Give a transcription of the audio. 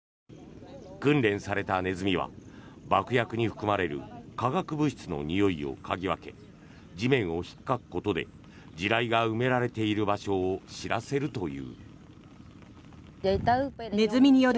訓練されたネズミは爆薬に含まれる化学物質のにおいを嗅ぎ分け地面をひっかくことで地雷が埋められている場所を知らせるという。